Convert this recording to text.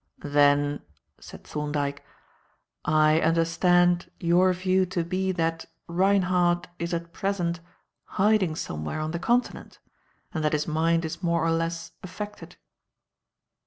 "Then," said Thorndyke, "I understand your view to be that Reinhardt is at present hiding somewhere on the Continent and that his mind is more or less affected?"